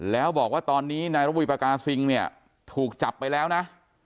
แล้วบอกว่าตอนนี้นายระวีปากาซิงเนี่ยถูกจับไปแล้วนะ